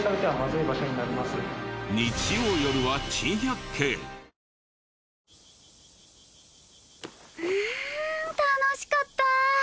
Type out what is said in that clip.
うーん楽しかった！